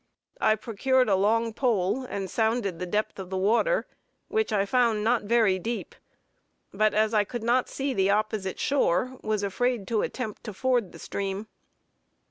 I procured a long pole, and sounded the depth of the water, which I found not very deep; but as I could not see the opposite shore, was afraid to attempt to ford the stream.